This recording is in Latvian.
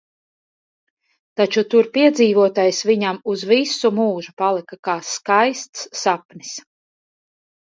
Taču tur piedzīvotais viņam uz visu mūžu palika kā skaists sapnis.